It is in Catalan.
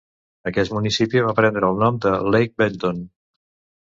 Aquest municipi va prendre el nom de Lake Benton.